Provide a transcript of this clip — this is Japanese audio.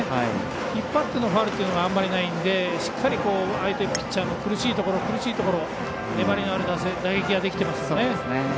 引っ張ってのファウルがあまりないのでしっかり、相手ピッチャーの苦しいところ粘りのある打撃ができていますよね。